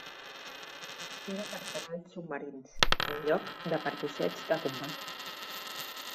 Era per treballs submarins, en lloc de per busseig de combat.